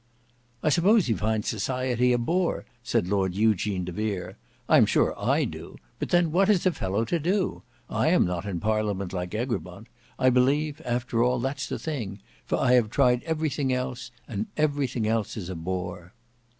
"I suppose he finds society a bore," said Lord Eugene de Vere; "I am sure I do; but then what is a fellow to do? I am not in Parliament like Egremont. I believe, after all, that's the thing; for I have tried everything else and everything else is a bore."